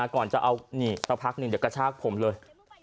ก่อนจะเอานี่สักพักหนึ่งเดี๋ยวกระชากผมเลย